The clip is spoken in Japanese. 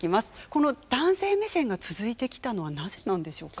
この男性目線が続いてきたのはなぜなんでしょうか？